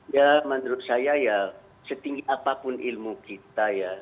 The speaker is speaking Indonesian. ya menurut saya ya setinggi apapun ilmu kita ya